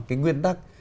cái nguyên tắc